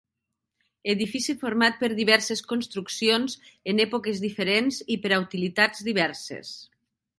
Edifici format per diverses construccions en èpoques diferents i per a utilitats diverses.